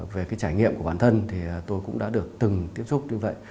về trải nghiệm của bản thân tôi cũng đã được từng tiếp xúc như vậy